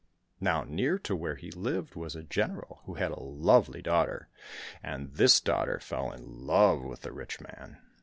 Now near to where he lived was a General who had a lovely daughter, and this daughter fell in love with the rich man.